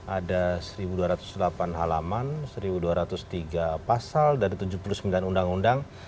ada seribu dua ratus delapan halaman seribu dua ratus tiga pasal dan ada tujuh puluh sembilan undang undang